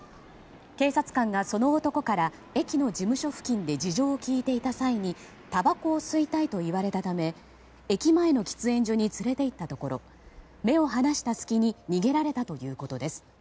警察官が、その男から駅の事務所付近で事情を聴いていた際にたばこを吸いたいと言われたため駅前の喫煙所に連れて行ったところ目を離した隙に逃げられたということです。